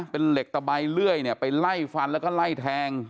เป็นเหล็กตะใบเลื่อยไปไล่ฟันแล้วก็ไล่แทง